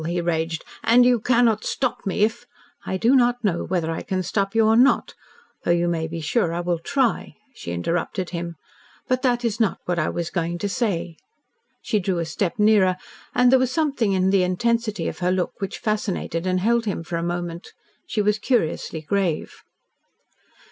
he raged. "And you cannot stop me, if " "I do not know whether I can stop you or not, though you may be sure I will try," she interrupted him, "but that is not what I was going to say." She drew a step nearer, and there was something in the intensity of her look which fascinated and held him for a moment. She was curiously grave.